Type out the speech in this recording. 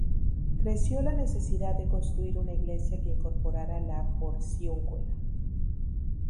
Creció la necesidad de construir una iglesia que incorporara la Porciúncula.